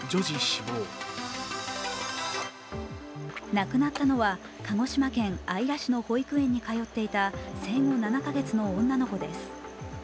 亡くなったのは鹿児島県姶良市の保育園に通っていた生後７か月の女の子です。